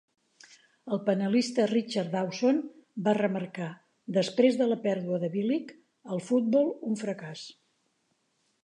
El panelista Richard Dawson va remarcar, després de la pèrdua de Billick: "El futbol: un fracàs.".